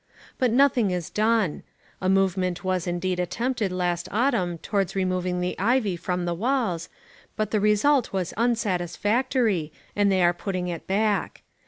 But nothing is done. A movement was indeed attempted last autumn towards removing the ivy from the walls, but the result was unsatisfactory and they are putting it back.